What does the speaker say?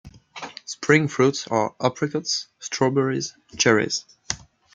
Spring fruits are apricots, strawberries, cherries.